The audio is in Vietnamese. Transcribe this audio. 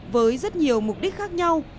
với rất nhiều mục đích khác nhau